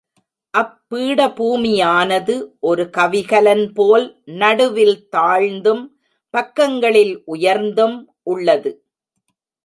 அப் பீடபூமியானது ஒரு கவிகலன் போல் நடுவில் தாழ்ந்தும், பக்கங்களில் உயர்ந்தும் உள்ளது.